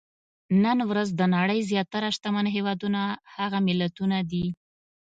نن ورځ د نړۍ زیاتره شتمن هېوادونه هغه ملتونه دي.